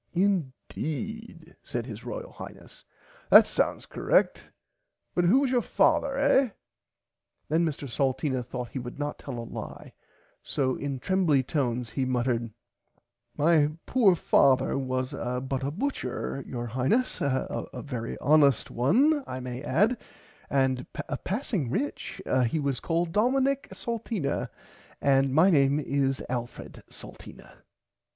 Indeed said his royal Highness that sounds correct but who was your father eh. Then Mr Salteena thourght he would not tell a lie so in trembly tones he muttered My poor father was but a butcher your Highness a very honest one I may add and passing rich he was called Domonic Salteena and my name is Alfred Salteena.